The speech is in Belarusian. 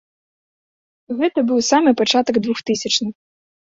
Гэта быў самы пачатак двухтысячных.